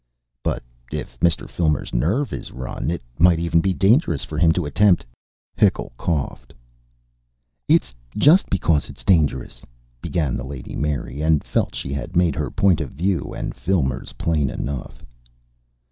"But if Mr. Filmer's nerve is run It might even be dangerous for him to attempt " Hickle coughed. "It's just because it's dangerous," began the Lady Mary, and felt she had made her point of view and Filmer's plain enough.